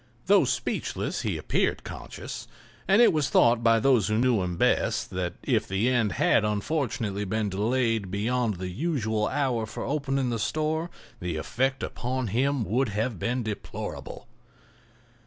Though speechless, he appeared conscious, and it was thought by those who knew him best that if the end had unfortunately been delayed beyond the usual hour for opening the store the effect upon him would have been deplorable.